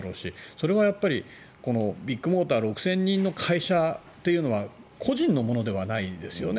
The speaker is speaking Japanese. それはビッグモーター６０００人の会社というのは個人のものではないですよね。